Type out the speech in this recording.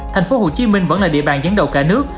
tp hcm vẫn là địa bàn dẫn đầu cả nước